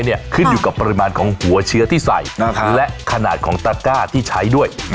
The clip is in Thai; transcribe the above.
ขึ้นอยู่กับปริมาณของหัวเชื้อที่ใส่และขนาดของตระก้าที่ใช้ด้วย